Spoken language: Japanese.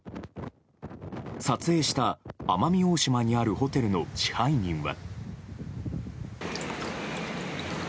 撮影した奄美大島にあるホテルの支配人は。